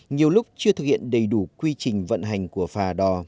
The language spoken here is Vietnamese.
nhiều lúc chưa thực hiện đầy đủ quy trình vận hành của phà đò